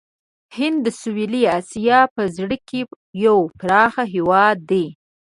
هند د سویلي آسیا په زړه کې یو پراخ هېواد دی.